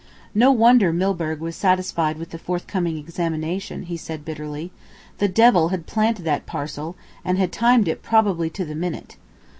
"No wonder Milburgh was satisfied with the forthcoming examination," he said bitterly. "The devil had planted that parcel, and had timed it probably to the minute.